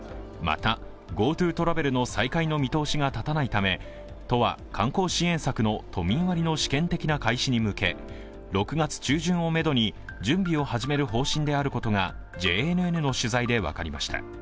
また、ＧｏＴｏトラベルの再開の見通しが立たないため都は観光支援策の都民割の試験的な開始に向け６月中旬をめどに準備を始める方針であることがＪＮＮの取材で分かりました。